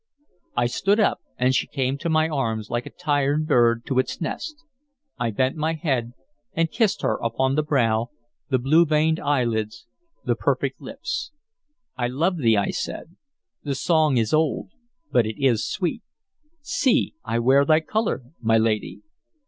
I stood up, and she came to my arms like a tired bird to its nest. I bent my head, and kissed her upon the brow, the blue veined eyelids, the perfect lips. "I love thee," I said. "The song is old, but it is sweet. See! I wear thy color, my lady."